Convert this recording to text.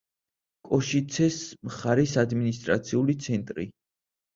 კოშიცეს მხარის ადმინისტრაციული ცენტრი.